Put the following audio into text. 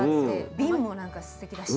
びんも何かすてきだし。